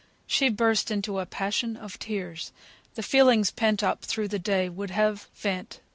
She burst into a passion of tears. The feelings pent up through the day would have vent.